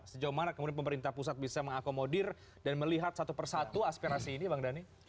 sejauh mana kemudian pemerintah pusat bisa mengakomodir dan melihat satu persatu aspirasi ini bang dhani